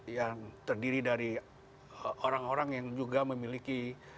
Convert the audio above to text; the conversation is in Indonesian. yang terdiri dari orang orang yang juga memiliki